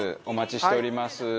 お待ちしております。